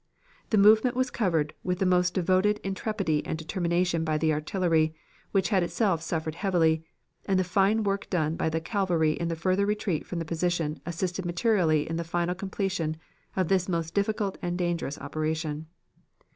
The movement was covered with the most devoted intrepidity and determination by the artillery, which had itself suffered heavily, and the fine work done by the cavalry in the further retreat from the position assisted materially in the final completion of this most difficult and dangerous operation.